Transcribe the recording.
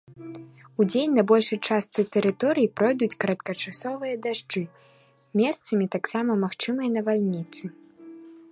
Удзень на большай частцы тэрыторыі пройдуць кароткачасовыя дажджы, месцамі таксама магчымыя навальніцы.